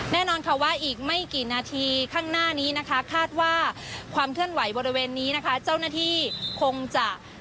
แน่นอนค่ะว่าอีกไม่กี่นาทีข้างหน้านี้นะคะคาดว่าความเคลื่อนไหวบริเวณนี้นะคะเจ้าหน้าที่คงจะ